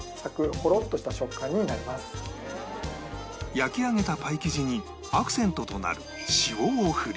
焼き上げたパイ生地にアクセントとなる塩を振り